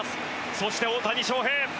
そして大谷翔平。